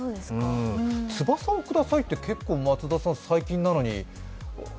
「翼をください」って、結構最近なのに。